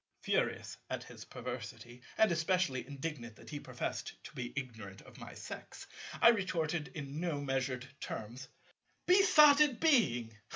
Furious at his perversity, and especially indignant that he professed to be ignorant of my sex, I retorted in no measured terms, "Besotted Being!